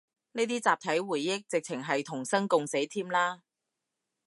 呢啲集體回憶，直程係同生共死添啦